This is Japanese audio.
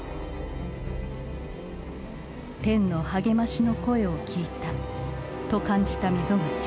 「天の励ましの声を聴いた」と感じた溝口。